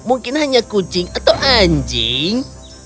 mungkin hanya kucing atau anjing